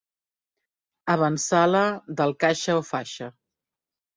Avantsala del caixa o faixa.